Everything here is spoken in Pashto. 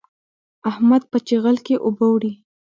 احمد په چيغل کې اوبه وړي.